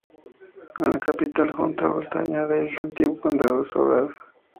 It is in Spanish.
Es la capital junto a Boltaña del antiguo condado de Sobrarbe.